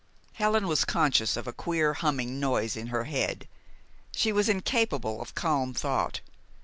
Helen was conscious of a queer humming noise in her head. She was incapable of calm thought.